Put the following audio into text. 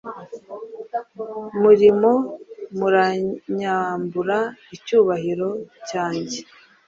murimo muranyambura icyubahiro cyanjye